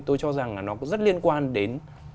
tôi cho rằng là nó rất liên quan đến